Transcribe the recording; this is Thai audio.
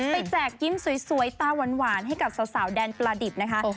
แจกยิ้มสวยตาหวานให้กับสาวแดนปลาดิบนะคะ